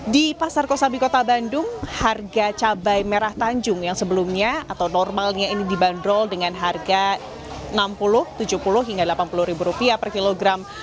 di pasar kosambi kota bandung harga cabai merah tanjung yang sebelumnya atau normalnya ini dibanderol dengan harga rp enam puluh rp tujuh puluh hingga rp delapan puluh per kilogram